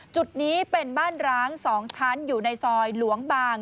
จุดนี้เป็นบ้านร้าง๒ชั้นอยู่ในซอยหลวงบาง